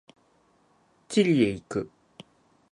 チリへ行く。